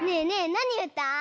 なにうたう？